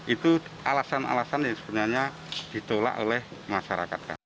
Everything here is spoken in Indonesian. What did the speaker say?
itu alasan alasan yang sebenarnya ditolak oleh masyarakat